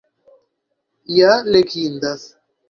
Ja legindas!